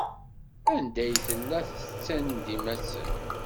Anda ay tellam tettandim-asen?